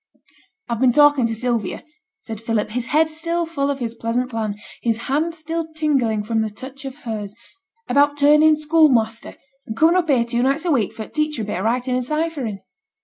'I've been talking to Sylvia,' said Philip, his head still full of his pleasant plan, his hand still tingling from the touch of hers, 'about turning schoolmaster, and coming up here two nights a week for t' teach her a bit o' writing and ciphering.'